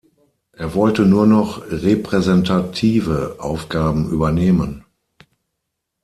Er wollte nur noch repräsentative Aufgaben übernehmen.